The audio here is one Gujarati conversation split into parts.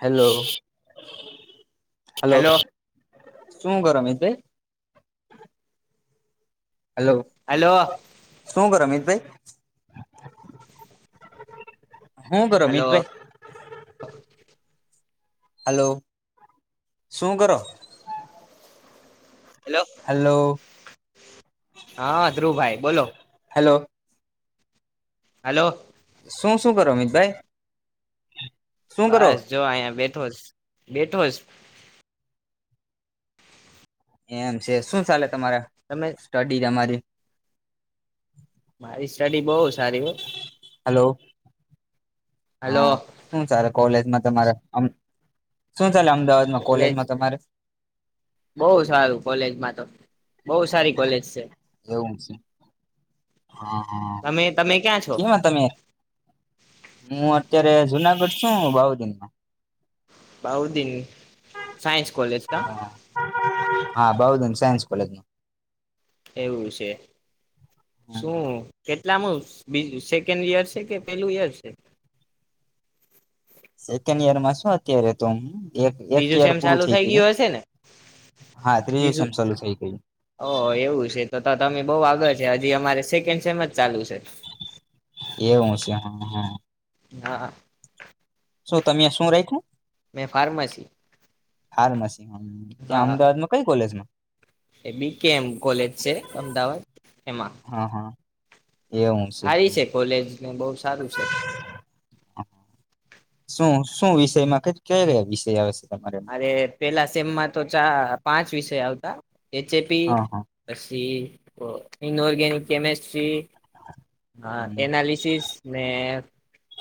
Hello, hello. શું કરે, મિતભાઈ? હેલો, હલો શું કરે, મિતભાઈ? હું કરો, હલો મિતભાઈ? હલો, શું કરો? હેલો, હલો હા, ધ્રુવભાઈ બોલો? Hello hello. શું-શું કરો, મિતભાઈ? બસ જો અહીયા, બેઠોસ, બેઠોસ. એમ છે. શું ચાલે તમારે તમે સ્ટડી, તમારી? મારી સ્ટડી, બો સારી હો. હલો હલો હા, શું ચાલે કોલેજમાં તમારે? શું ચાલે અમદાવાદમાં કોલેજ કોલેજમાં તમારે બોઉં સારું કોલેજમાં તો બોઉ સારી કોલેજ છે. એવું છે, હા, હા, તમે તમે ક્યાં છો કેમ તમે હું અત્યારે જુનાગઢ છું, બાઉ દીનમાં. બાઉદીન સાયન્સ કોલેજ કે? હા, બાઉધન સાયન્સ કોલેજમાં. એવું છે, શું કે? કેટલામું બીજું સેકન્ડ યર છે, કે પેલું યર છે? સેકન્ડ ઈયરમાં શું અત્યારે તો, એક ત્રીજું ઈયર સેમ પૂરું ચાલુ થઇ થઈ ગયું. હશે ને હા, ત્રીજુ ત્રીજું સેમ ચાલું થઈ ગયું. ઓ એવું છે, તો તમે બઉ આગળ છે. હજી અમારે સેકન્ડ સેમ જ ચાલુ છે. એવું છે, હા, હા હા, હા શું તમે, શું રાખ્યું? મેં, ફાર્માસી ફાર્મસી, ત્યાં અમદાવાદમાં કઈ કોલેજમાં? એ બી કે એમ કોલેજ છે, અમદાવાદ એમાં હા હા એવું છે. બો સારું છે. શું શું વિષયમાં કે કયા-કયા વિષય આવે છે? તમારે એમાં? અરે, પેલા સેમમાં તો પાંચ વિષય આવતા. એચ એ પી હા હા પછી ઇન ઓર્ગનિક કેમેિસ્ટ્રી હા, હમ. એનાલિસિસ ને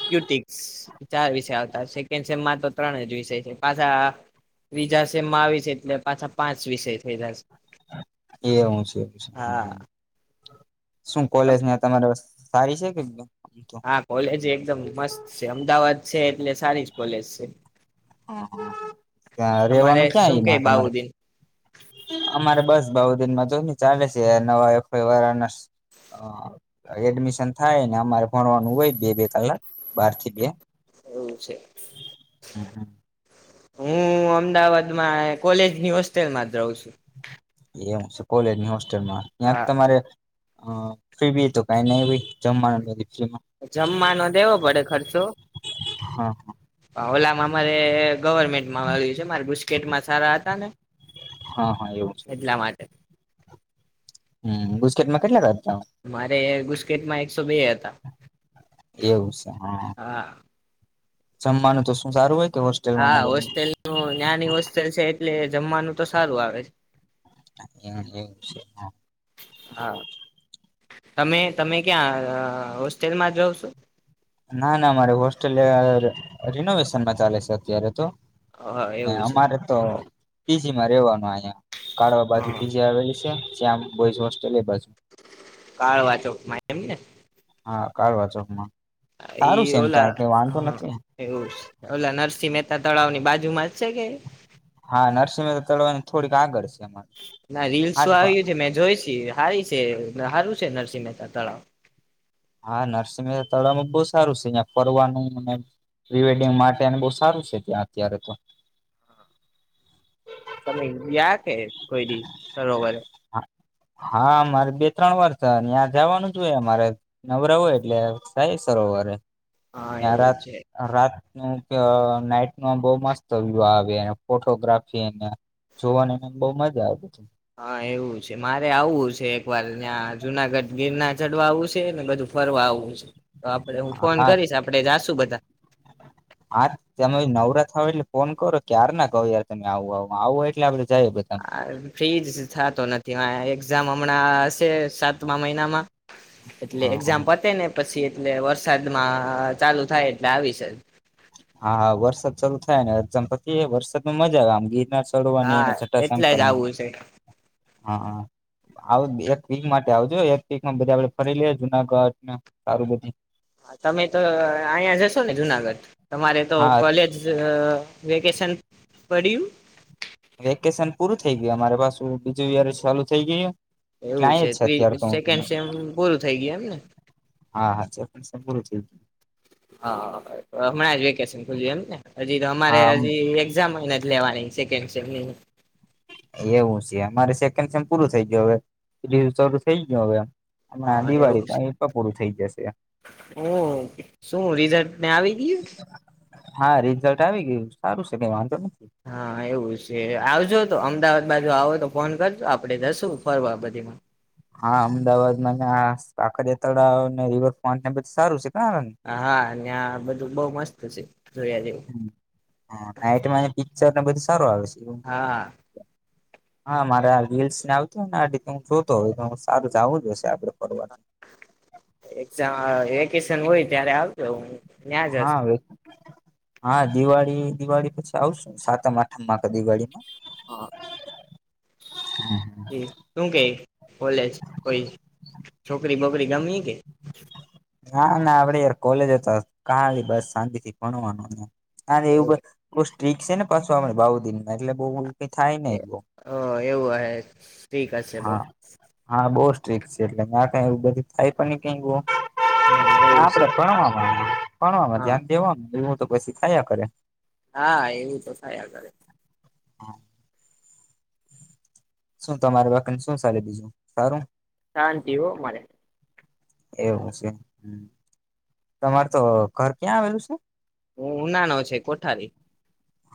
ક્યુટિક્સ ચાર, વિષય આવતા સેકન્ડ સેમમાં તો ત્રણ જ વિષય છે, પાછા બીજા છે, માવીસ એટલે પાછા પાંચ વિષય થયેલા છે. એવું છે. શું કોલેજ ને તમારે સારી છે કે આમ તો હા, કોલેજ એકદમ મસ્ત છે, અમદાવાદ છે એટલે સારી કોલેજ છે. તમારે રેવાનું ક્યાં શું કે એમાં તમારે? બાઉદીન અમારે બસ બી દિનમાં જો ચાલે છે, નવા વારના હ, એડમિશન થાયને અમારે ભણવાનું હોય બે-બે કલાક બાર થી બે એવું છે. હમ્મ. હું, અમદાવાદમાં કોલેજની હોસ્ટેલમાં જ રહું છું એવું છે, કોલેજની હોસ્ટેલમાં ત્યાં હા. તમારે અ ફી બી તો કઈ નઈ [unintelligible] જમવાનું નથી. જમવાનો દેવો પડે ખર્ચો હા ઓલામાં અમારે ગવર્મેન્ટમાં આવ્યું છે. મારે ગુસ્કેટમાં સારા હતા ને હા હા એવું છે. એવું છે એટલા માટે હમ ગુસ્કેટમાં કેટલા કરતા? મારે ગુસ્કેટમાં એકસો બે હતા. એવું છે હા જમવાનું તો શું સારું હોય? કે હોસ્ટેલમાં હા હોસ્ટેલનું નાની હોસ્ટેલ છે એટલે જમવાનું તો સારું આવે હા. [unintelligible] તમે તમે ક્યાં હોસ્ટેલમાં જાવ છો? ના ના અમારી હોસ્ટેલ રિનોવેશનમાં ચાલે છે અત્યારે તો હા એવું છે. અમારે તો પી જી માં રેવાનું અહયા કાઢવા બાજુ હા પી જી આવેલી છે ત્યાં બોઈસ હોસ્ટેલ એ બાજુ કાળ વાંચો મા એમ ને હા કાળ વાંચોમાં એ ઓલા હ ઓલા નરસિંમેતા તળાવ ની બાજુમાં જ છે કે? હા નરસિંહ [unintelligible] થોડીક આગળ છે. અમારે ના રીલસું આઠ આવ્યું છે મેં જોઈ છે. સારી છે સારું છે નરસિંહ મહેતા તળાવ. હા નરસિંમેતા તળાવમાં બો સારું છે. અં ફરવાનુંને પ્રિવેડિંગ માટે અને બહુ સારું છે ત્યાં અત્યારે તો. તમે ગ્યા કે કોઈ દી સરોવર? [inaudible] હા મારે બે ત્રણ વાર ત આયા જવાનું જ હોય અમારે નવરા હોય એટલે સાહે સરોવરે. હા આ એવું રાત છે આ રાતનું [unintelligible] નાઈટ નો બહ મસ્ત વ્યુ આવે ફોટોગ્રાફી ને જોઆની ને બહુ મ જ હા એવું છે મારે આવવું છે એક વાર ત્યાં જુનાગઢ ગીરના ચડવા આવું છે ને બધું ફરવા આવવું છે તો આપડે હું ફોન હા કરીશ આપડે જાશું બધ [unintelligible] હા તમે નવરાત્ર હો એટલે ફોન કરો ક્યાર ના કહો યાર તમે આવું આવ આવું હોય એટલે આપડે જઈએ બધા હ ફ્રીજ થતો નથી એક્ઝામ હમણાં હશે સાત મા મહિનામાં એટલે હા એક્ઝામ પતે ને પછી એટલે વરસાદમાં ચાલુ થાય એટલે આવીશ જ. હા હા વરસાદ ચાલુ થાય ને એક્ઝામ પતિ વરસાદમાં મજા આવે આમ ગીત હા એટલે જ આવું છે [unintelligible] હા. આવ એક વીક માટે આવજો એક વીકમાં બધા આપડે ફરી લઈએ. જુનાગઢ સારું બધી હા તમે તો અહીંયા જશો ને જુનાગઢ તમારે તો હા કોલેજ અ વેકેશન પડીયુ? વેકેશન પૂરું થઈ ગયું અમારે પાસુ બીજું યાર ચાલુ થઈ ગયું. એટલે એવું આ જ છે અત્યારે ત્રી તો. સેકન્ડ સેમ પૂરું થઈ ગયું એમ ને હ હા હા. [unintelligible] હ હમણાં જ વેકેશન ખુલ્યું એમને હજી તો હા અમારે આમ હજી એક્જામ જ લેવાની છે. કેન્સર નેવું એવું છે. અમારે સેકન્ડે પૂરું થઈ ગયું. હવે [unintelligible] શરૂ થઈ ગયો હવે. હમણાં દિવાળી પણ એ પણ પુરું થઈ જશે ઓ શું રિઝલ્ટ ને આવી ગીયુ? હા રિઝલ્ટ આવી ગયું સારું છે કે વાંધો નને. હા એવું છે આવજો તો અમદાવાદ બાજુ આવો તો ફોન કરજો આપડે જશું ફરવા બધી માં હા અમદાવાદમાં સાકરિયા તળાવ અને રિવરફ્રન્ટ ને બધું સારું છે. કારણ હા, ન્યા બધું બોવ મસ્ત સે. હું અ નાઈટમાંય પિક્ચર ને બધું સારું આવે સ. એવમ્ હા હા, મારે આ રીલ્સ ને આવતું ને તે હું જોતો તો સારું ઝાવું જ હશે આપડે ફરવા આ એકઝા વેકેશન હોય ત્યારે આવતો હું. ત્યાં જ હા હશે. અવે હા દિવાળી, દિવાળી પછી આવશું. સાતમ આઠમ માં ક દિવાળીમાં. આ હા. હં જે તું કે કોલેજ ઓઈ છોકરી બોકરી ગમી કે ના ના આપડે, કોલેજ ત કાલી બસ શાંતિ થી ભણવાનનું. અરે એવું બ હ બો સ્ટ્રીક સે ને પાસુ આપણે બાઉદીનમાં એટલે બઉુ કે થાય નઈ બો. એવું હ ઠીક હશે બઉ. હા, હા બોવ સ્ ટ્રીક સે એટલે ના કાય એવું બધું થાય પણ ની કે બો હા એવું છે. આપડે ભણવામાં ભણવામાં હા ધ્યાન દેવાનું એવું તો પસી થાયા કરે. હા, એવું તો થાયા કરે. હા. શું તમાર બાકીને શું સાલે બીઝુ સારું? શાંતિ હો મારે. એવું છે તમાર તો ઘર ક્યાં આવેલું સે? હું ઉનાનો છે કોઠારી.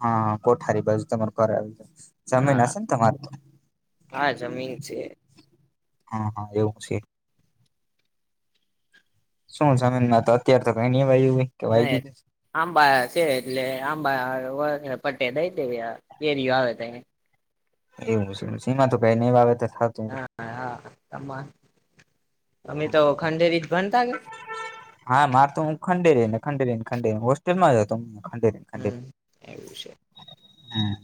હા, કોઠારી બાજુ તમારુ ઘર આવેલું શે ઝમીન હા હશે ન તમાર તો? હા જમીન છે હ હ એવું છે. શું ઝમીનમાં તો અત્યારે તો કાઈ ની હો નય આંબા સે એટલે આંબા [unintelligible] પટે દઈ દેવી આ કેરીયો આવે તયે. એવું છે સિમાં તો કય ની વાવેતર. થતું હોય હા આહા અમા. અમે તો ખંડેરી જ ભન્તા કે? ખંડેરીન ખંડેરીન ખંડેન હોસ્ટેલમાં જ હતો. ખંડેરીને હમ્મ એવું છે. હમ્મ.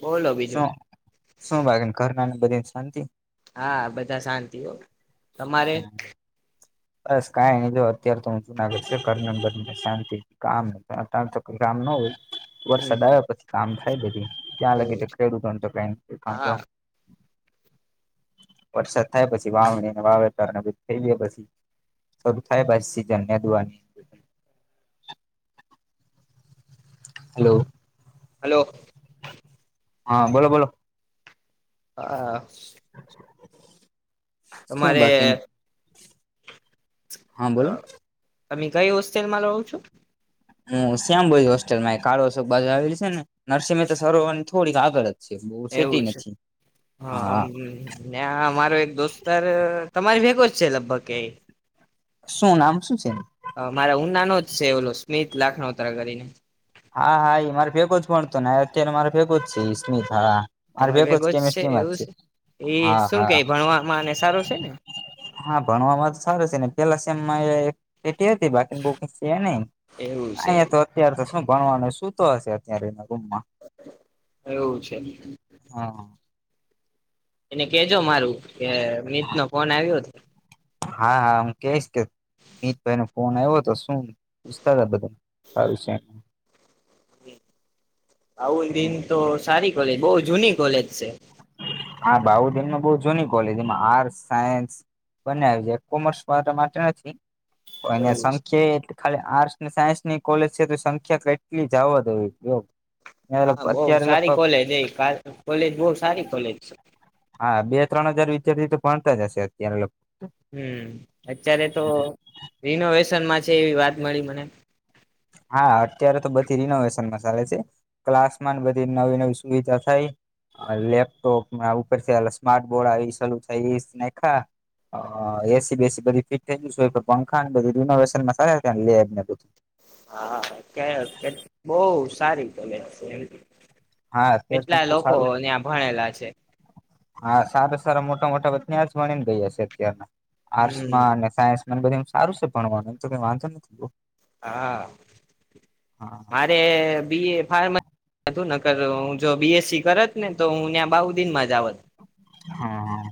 બોલો બીજું શું શું બાકન ઘરના ન બધે શાંતિ? હા બધાં શાંતિ ઓ તમારે? બસ કાઈ જો અત્યાર તો હું ઝૂનાગઢ [inaudible] શાંતિ કામ આ તામ તો કામ નો હોય. હમ વરસાદ હમ આયા પછી કામ થાય બધી. ક્યાં લગી એવું તો છે ખેડૂતોન તો કાય કામ હા બામ વરસાદ થાય પસી વાવણી ને વાવેતરને બધ થઈ ગ્ય પસી. શરૂ થાય પસી સિજન નેન્દુવાની. હલ્લો. હલ્લો. હા બોલો બોલો. આ સ શું અમારે બાકી હા બોલો તમે કંઈ હોસ્ટેલમાં રવ છો? હું શ્યામબોઈ હોસ્ટેલમાંય કાળોશોક બાજાર આવેલું સે ને નરસિંહમેહતા સરોવરન થોડીક આગળ જ ઓહ સિટી એવું છે નથી. હા, અમ ન્યા અમારો એક દોસ્તાર અ તમારી ભેગો જ છે લગભગ. કેઈ શું નામ શું છે? હ મારા ઉનાનો જ છે ઓલો સ્મિત લાખનોત્રા કરીને. હા હા ઈ મારે ભેગો જ ભણતોને અત્યારે મારે ભેગો જ છે સ્મિત હા. મારે ભેગો જ કેમિસ્ટ્રીમાં જ છે એ હા શું કે હા. ભણવામાં અને સારું છે ને હા ભણવામાં તો સારું છે ને. પેહલા સેમમાં એક કેટી હતી બાકીની બઉ કઈ છે ન એવું છે અહીયાં તો અત્યારે તો શું. ભણવાનું સૂતો હશે અત્યારે એના રૂમમાં એવું છે હા. એને કેજો મારું કે મિતનો ફોન આવ્યો. હા હા હું કેઈશ કે મિતભાઈનો ફોન આવ્યો હતો શું પૂશતાતા બધા સારું શે. આવું દિન તો સારી કોલેજ બહુ જૂની કોલેજ છે. હા બાઉદીનમાં બઉ જૂની કોલેજ એમાં આર્ટસ, સાયન્સ બંને આવી જાય કોમર્સ મા માટે નથી અહીંયા એવું સંખેત ખાલી આર્ટસ ને સાયન્સની કોલેજ છે તો સંખ્યા કેટલી જ આવદ હોવી જો હા બઉ સારી કોલેજ એ કોલેજ બઉ સારી કોલેજ છે. હા, બે ત્રણ હજાર વિદ્યાર્થી તો ભણતા જ હશે અત્યારે. હમ્મ, અત્યારે તો રિનોવેશનમાં છે એવી વાત મળી મને. હા અત્યારે તો બધી રિનોવેશનમાં ચાલે છે ક્લાસમાં ન બધી નવી-નવી સુવિધા થાય. અ લેપટોપ ને ઉપરથી આ સ્માર્ટ બોર્ડ આવી ન શરૂ થઈ ઈ નાયખા હ એસી બેસી બધી ફીટ થઈ ગયું શે અવે પંખા ન બધી રિનોવેશન માં કરાવી લેઈટને બધું. હા કે કે બઉ સારી કોલેજ છે. હા અત્યારે તો કેટલા એમ તો લોકો સારું ત્યાં ભણેલા છે હા સારું સારું મોટા મોટ મોટા [unintelligible] છે અત્યાર હમ આર્ટસમાં અને સાયન્સ એમ બધાયમાં એમ સારું છે ભણવાનું એમ તો કઈ વાંધો નથી. હા મારે બી એ ફાર્મ હતું ન હું જો બી એસ સી કરત ને તો હું ત્યાં બાઉદિનમાં જ આવત. હા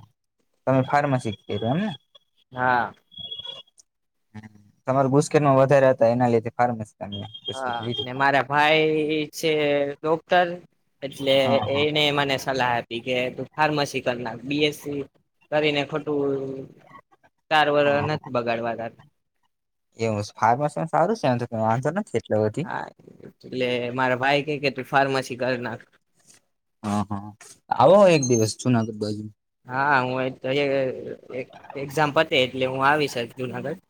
તમે ફાર્મસી જ કયરુ એમને? હા. તમાર ગુસકેટમાં વધારે હતા એના લીધે ફાર્મસી તમે હા ને લીધું મારા ભાઈ ઈ છે ડોક્ટર એટલે હા હા એને મને સલાહ આપી કે તું ફાર્માસિ કરનાખ બી એસ સી કરીને ખોટું ચાર વરહ હા હા નથી બગાડવા તારા એવું ફાર્મસીમાં સારું છે, આમ તો કઈ વાંધો નથી એટલો બધી હા એટલે મારા ભાઈ કે કે તું ફાર્મસી કરી નાખ હા હા આવો એક દિવસ જૂનાગઢ બાજુ હા હું તો એ એક્ઝામ પતે એટલે હું આવીશ જુનાગઢ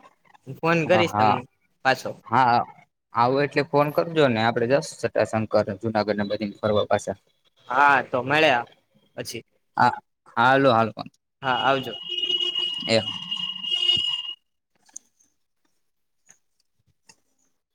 હું ફોન હા કરીશ હા તમને પાછો હા આવો એટલે ફોન કરજો ને આપડે જાસુ સટાશંકર જુનાગઢને બધી ફરવા પાછા હા તો મળ્યા પછી હાલું હાલુ હા આવજો એ